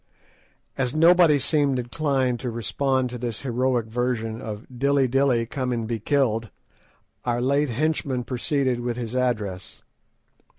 As nobody seemed inclined to respond to this heroic version of "Dilly, Dilly, come and be killed," our late henchman proceeded with his address.